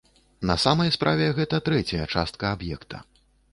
На самай справе, гэта трэцяя частка аб'екта.